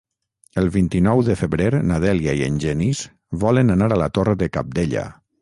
El vint-i-nou de febrer na Dèlia i en Genís volen anar a la Torre de Cabdella.